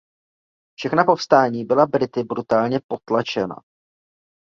Všechna povstání byla Brity brutálně potlačena.